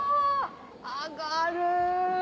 上がる！